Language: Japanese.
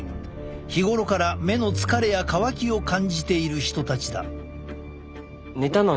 日頃から目の疲れや乾きを感じている人たちだ。